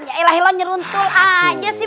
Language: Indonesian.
ya allah nyeruntul aja sih